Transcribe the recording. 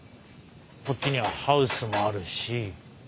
こっちにはハウスもあるし。